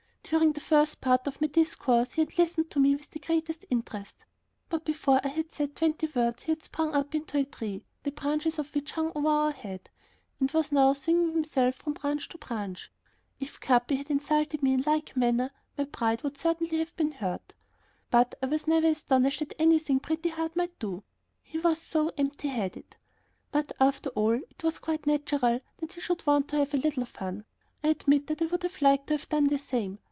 During the first part of my discourse he had listened to me with the greatest interest, but before I had said twenty words, he had sprung up into a tree, the branches of which hung over our heads, and was now swinging himself from branch to branch. If Capi had insulted me in like manner, my pride would certainly have been hurt; but I was never astonished at anything Pretty Heart might do. He was so empty headed. But after all, it was quite natural that he should want to have a little fun. I admit that I would liked to have done the same.